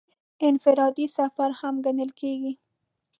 انفرادي سفر هم ګڼل کېږي.